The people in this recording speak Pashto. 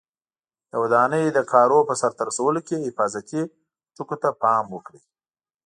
د ودانۍ د کارونو په سرته رسولو کې حفاظتي ټکو ته پام وکړئ.